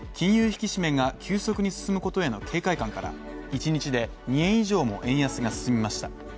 引き締めが急速に進むことへの警戒感から、一日で２円以上も円安が進みました。